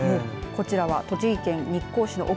こちらは栃木県日光市の奥